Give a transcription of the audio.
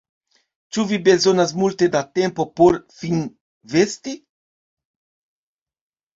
Ĉu vi bezonas multe da tempo por vin vesti?